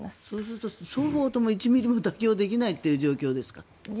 そうすると双方とも１ミリも妥協できないという状況ですか？